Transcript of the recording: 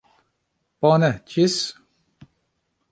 Bone, ĝis